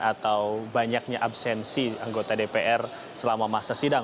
atau banyaknya absensi anggota dpr selama masa sidang